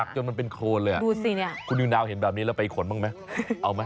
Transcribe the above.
ใช่ค่ะดูสิเนี่ยคุณยูนาวเห็นแบบนี้แล้วไปอีกขนบ้างไหมเอาไหม